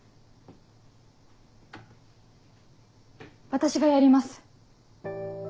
私がやります。